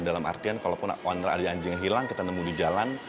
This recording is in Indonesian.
dalam artian kalaupun owner ada anjing yang hilang kita nemu di jalan